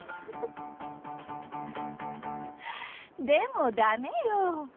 でもダメよ！